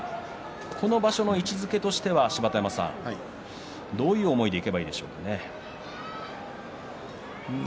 この場所の位置づけとしてはどういう思いでいけばいいでしょうか。